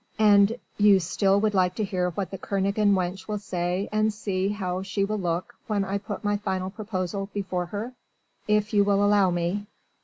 "And you still would like to hear what the Kernogan wench will say and see how she will look when I put my final proposal before her?" "If you will allow me."